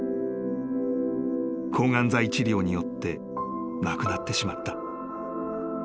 ［抗がん剤治療によってなくなってしまった］